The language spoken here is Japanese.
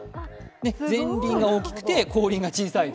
前輪が大きくて後輪が小さい。